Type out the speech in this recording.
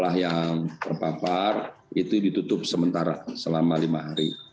jumlah yang terpapar itu ditutup sementara selama lima hari